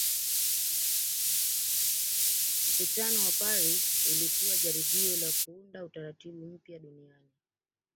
Mkutano wa Paris ulikuwa jaribio la kuunda Utaratibu mpya duniani